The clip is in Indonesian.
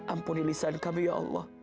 ampuni lisan kami ya allah